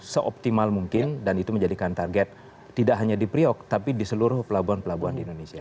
seoptimal mungkin dan itu menjadikan target tidak hanya di priok tapi di seluruh pelabuhan pelabuhan di indonesia